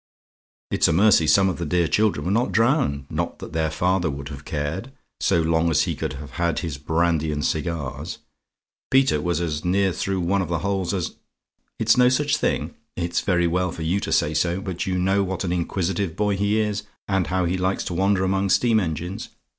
"It's a mercy some of the dear children were not drowned; not that their father would have cared, so long as he could have had his brandy and cigars. Peter was as near through one of the holes as "IT'S NO SUCH THING? "It's very well for you to say so, but you know what an inquisitive boy he is, and how he likes to wander among steam engines.